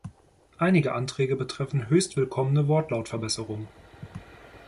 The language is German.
Einige Anträge betreffen höchst willkommene Wortlautverbesserungen.